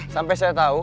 sampai saya tahu